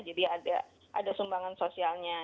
jadi ada sumbangan sosialnya